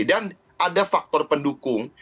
dan ada faktor pendukung